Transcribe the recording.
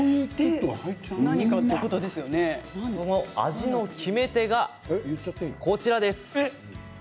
味の決め手はこちらです。